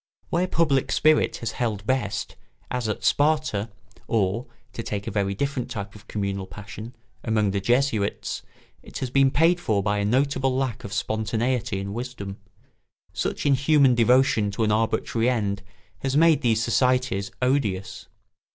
Where public spirit has held best, as at Sparta or (to take a very different type of communal passion) among the Jesuits, it has been paid for by a notable lack of spontaneity and wisdom; such inhuman devotion to an arbitrary end has made these societies odious.